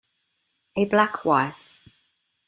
A black wife.